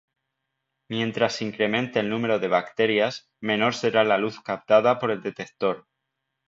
Mientras incremente el número de bacterias, menor será la luz captada por el detector.